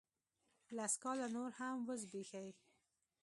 لس کاله نور هم وزبیښي